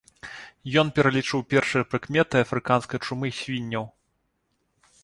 Ён пералічыў першыя прыкметы афрыканскай чумы свінняў.